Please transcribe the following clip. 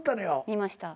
見ました。